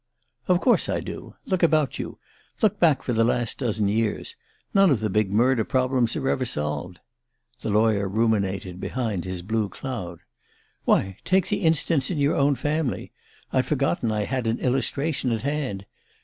"Of course I do. Look about you look back for the last dozen years none of the big murder problems are ever solved." The lawyer ruminated behind his blue cloud. "Why, take the instance in your own family: I'd forgotten I had an illustration at hand!